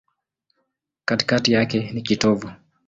Katikati yake ni kitovu.